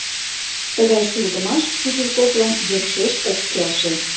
Тыгай шургымаш Пузырьковлан йӧршеш ок келше.